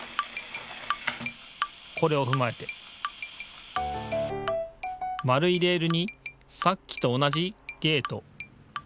これをふまえて円いレールにさっきと同じゲート。